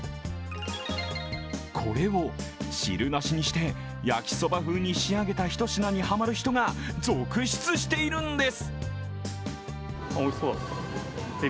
これを汁なしにして焼きそば風に仕上げた一品にハマる人が続出しているんです。